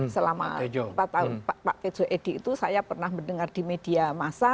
selama pak kejo edy itu saya pernah mendengar di media masa